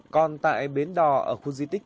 còn tại bến đỏ ở khu di tích tỉnh ủy ấp thành